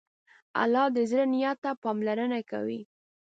الله د زړه نیت ته پاملرنه کوي.